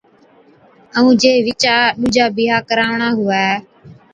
ائُون جي وِچا ڏُوجا بِيھا ڪراوڻا ھُوي